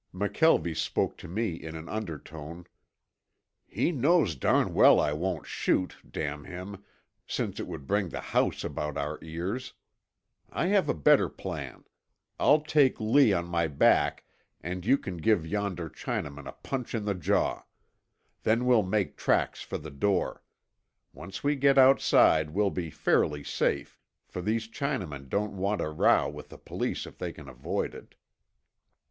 McKelvie spoke to me in an undertone. "He knows darn well I won't shoot, damn him, since it would bring the house about our ears. I have a better plan. I'll take Lee on my back and you can give yonder Chinaman a punch in the jaw. Then we'll make tracks for the door. Once we get outside we'll be fairly safe, for these Chinamen don't want a row with the police if they can avoid it."